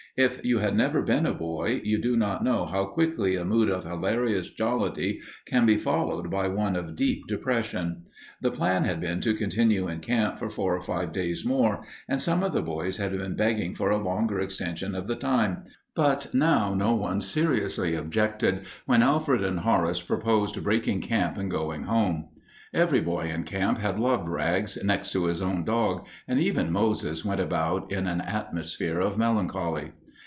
If you have never been a boy, you do not know how quickly a mood of hilarious jollity can be followed by one of deep depression. The plan had been to continue in camp for four or five days more, and some of the boys had been begging for a longer extension of the time, but now no one seriously objected when Alfred and Horace proposed breaking camp and going home. Every boy in camp had loved Rags next to his own dog, and even Moses went about in an atmosphere of melancholy.